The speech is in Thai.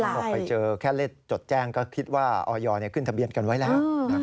บอกไปเจอแค่เลขจดแจ้งก็คิดว่าออยขึ้นทะเบียนกันไว้แล้ว